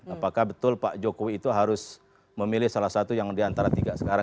apakah betul pak jokowi itu harus memilih salah satu yang diantara tiga sekarang